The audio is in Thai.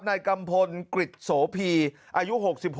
นายกัมพลกริจโสพีอายุ๖๖